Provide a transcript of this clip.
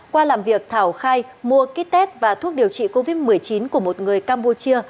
qua làm việc thảo khai mua ký test và thuốc điều trị covid một mươi chín của một người campuchia